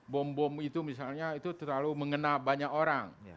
bom bom itu misalnya itu terlalu mengena banyak orang